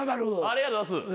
ありがとうございます。